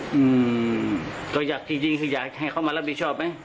อืมตัวอย่างที่ยิงคืออยากให้เขามารับผิดชอบไหม